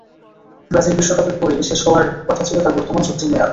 Brazil বিশ্বকাপের পরই শেষ হওয়ার কথা ছিল তাঁর বর্তমান চুক্তির মেয়াদ।